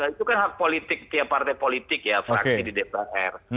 itu kan hak politik tiap partai politik ya fraksi di dpr